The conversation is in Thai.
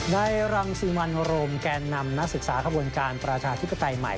รังสิมันโรมแก่นำนักศึกษาขบวนการประชาธิปไตยใหม่